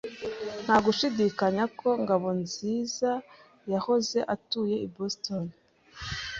Nta gushidikanya ko Ngabonzizayahoze atuye i Boston.